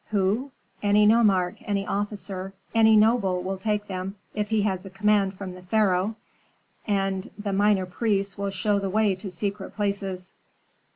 "Who? Any nomarch, any officer, any noble will take them if he has a command from the pharaoh, and the minor priests will show the way to secret places."